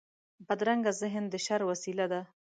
بدرنګه ذهن د شر وسيله ده